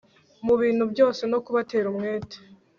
mu bintu byose no kubatera umwete